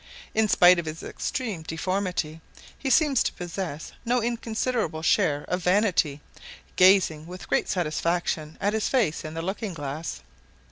In spite of his extreme deformity, he seemed to possess no inconsiderable share of vanity, gazing with great satisfaction at his face in the looking glass.